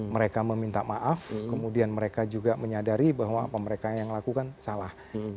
mereka meminta maaf kemudian mereka juga menyadari bahwa apa mereka yang lakukan salah